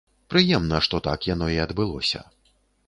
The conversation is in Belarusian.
Прыемна, што так яно і адбылося.